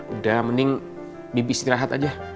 udah mending bibi istirahat aja